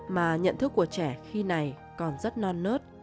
mà nhận thức của trẻ khi này còn rất non nớt